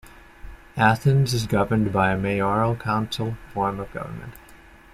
Athens is governed by a mayoral-council form of government.